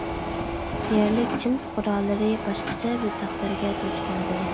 يەرلىك چىن پۇقرالىرى باشقىچە بىر تەقدىرگە دۇچ كەلدى.